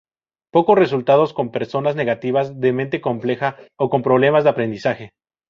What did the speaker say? Pocos resultados con personas negativas, de mente compleja o con problemas de aprendizaje.